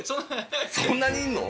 そんなにいんの？